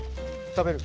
食べる？